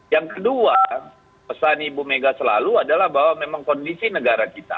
yang kedua pesan ibu mega selalu adalah bahwa memang kondisi negara kita